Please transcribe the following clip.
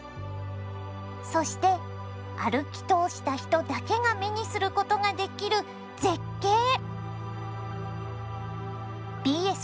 そして歩き通した人だけが目にすることができる絶景！